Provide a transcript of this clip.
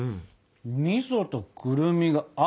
みそとくるみが合うね。